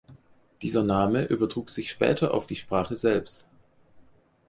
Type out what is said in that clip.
Dieser Name übertrug sich später auf die Sprache selbst.